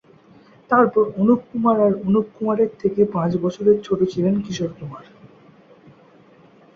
তারপর অনুপ কুমার আর অনুপ কুমারের থেকে পাঁচ বছরের ছোট ছিলেন কিশোর কুমার।